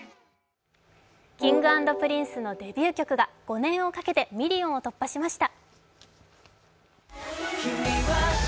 Ｋｉｎｇ＆Ｐｒｉｎｃｅのデビュー曲が５年をかけてミリオンを突破しました。